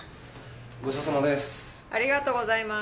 ごちそうさまです。